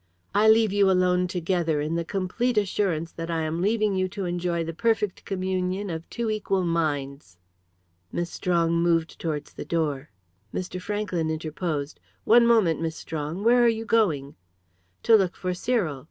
I leave you alone together, in the complete assurance that I am leaving you to enjoy the perfect communion of two equal minds." Miss Strong moved towards the door. Mr. Franklyn interposed. "One moment, Miss Strong. Where are you going?" "To look for Cyril.